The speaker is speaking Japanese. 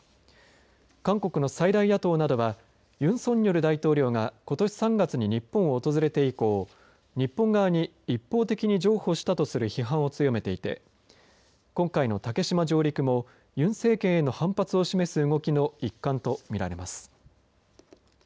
韓国の最大野党などはユン・ソンニョル大統領がことし３月に日本を訪れて以降日本側に一方的に譲歩したとする批判を強めていて今回の竹島上陸もユン政権への反発を示す動きの一環と見られます。